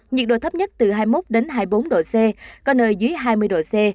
nhiệt độ thấp nhất từ hai mươi một đến hai mươi bốn độ c có nơi dưới hai mươi độ c